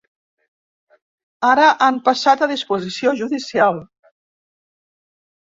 Ara han passat a disposició judicial.